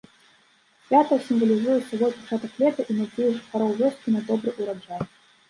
Свята сімвалізуе сабой пачатак лета і надзеі жыхароў вёскі на добры ураджай.